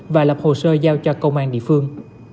và lập hồ sơ giao cho công an địa phương